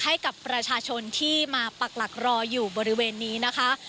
ให้กับประชาชนที่มาปักหลักรออยู่บริเวณนี้นะคะ